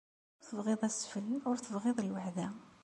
Ur tebɣiḍ asfel, ur tebɣiḍ lweɛda.